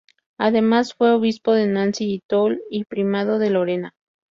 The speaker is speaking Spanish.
Además fue obispo de Nancy y Toul y primado de Lorena.